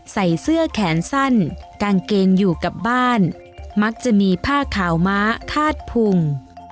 ใส่เสื้อแขนสั้นกางเกงอยู่กับบ้านมักจะมีผ้าขาวม้าคาดพุง